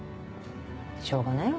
しょうがないわよ